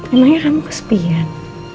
emangnya kamu kesepian